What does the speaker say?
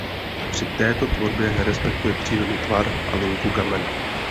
Při této tvorbě respektuje přírodní tvar a linku kamene.